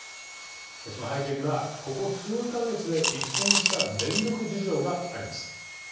その背景にはここ数か月で一変した電力事情があります。